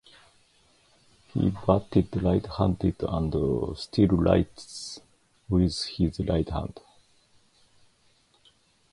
He batted right-handed and still writes with his right hand.